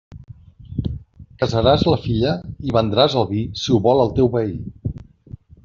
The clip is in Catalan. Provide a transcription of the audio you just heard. Casaràs la filla i vendràs el vi si ho vol el teu veí.